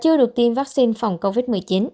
chưa được tiêm vaccine phòng covid một mươi chín